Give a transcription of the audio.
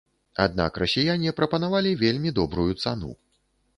Аднак расіяне прапанавалі вельмі добрую цану.